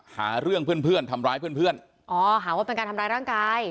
หาเรื่องเพื่อนทำร้ายเพื่อนอ๋อหาว่าเป็นการทำร้ายร่างกาย